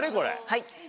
はい。